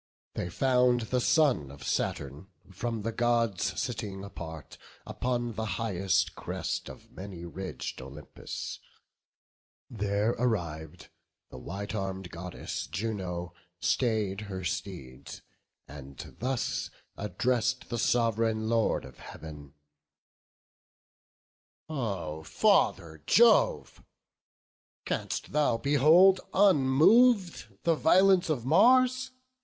They found the son of Saturn, from the Gods Sitting apart, upon the highest crest Of many ridg'd Olympus; there arriv'd, The white arm'd Goddess Juno stay'd her steeds, And thus address'd the Sov'reign Lord of Heav'n: "O Father Jove! canst thou behold unmov'd The violence of Mars?